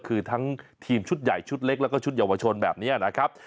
คือทั้งทีมชุดใหญ่ชุดเล็กแล้วก็ชุดเยาวชนแบบนี้นะครับ